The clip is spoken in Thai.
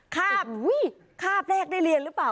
ข้าบข้าบแรกได้เรียนหรือเปล่า